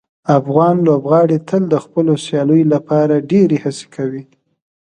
افغان لوبغاړي تل د خپلو سیالیو لپاره ډیرې هڅې کوي.